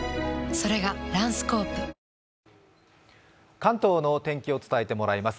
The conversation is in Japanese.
関東の天気を伝えてもらいます。